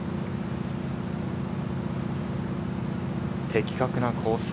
的確なコース